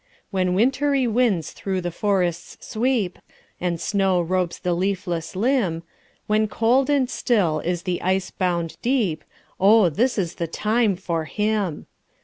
When wintry winds thro' the forests sweep, And snow robes the leafless limb; When cold and still is the ice bound deep, O this is the time for him.